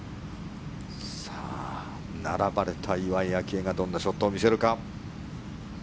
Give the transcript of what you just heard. さあ、並ばれた岩井明愛がどんなショットを見せるか。